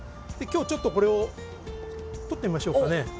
今日ちょっとこれを取ってみましょうかね。